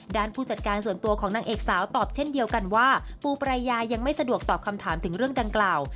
ผู้จัดการส่วนตัวของนางเอกสาวตอบเช่นเดียวกันว่าปูปรายายังไม่สะดวกตอบคำถามถึงเรื่องดังกล่าว